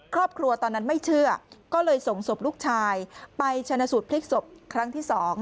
ตอนนั้นไม่เชื่อก็เลยส่งศพลูกชายไปชนะสูตรพลิกศพครั้งที่๒